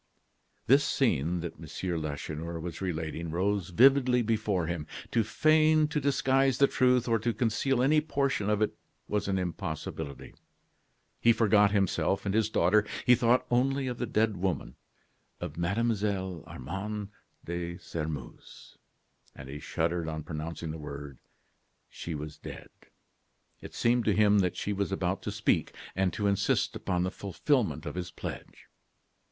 This scene that M. Lacheneur was relating rose vividly before him. To feign, to disguise the truth, or to conceal any portion of it was an impossibility. He forgot himself and his daughter; he thought only of the dead woman, of Mlle. Armande de Sairmeuse. And he shuddered on pronouncing the words: "She was dead." It seemed to him that she was about to speak, and to insist upon the fulfilment of his pledge.